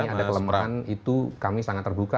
ada kelemahan itu kami sangat terbuka